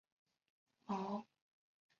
毛翼管鼻蝠属等之数种哺乳动物。